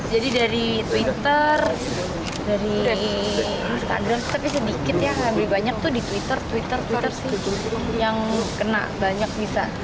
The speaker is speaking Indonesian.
jadi dari twitter dari instagram tapi sedikit ya lebih banyak tuh di twitter twitter twitter sih yang kena banyak bisa